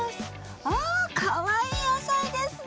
あかわいい野菜ですね！